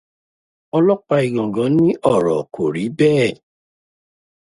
Ọlọ́pàá Igàngàn ní ọ̀rọ̀ kò rí bẹ́ẹ̀.